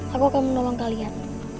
aku akan menolong kalian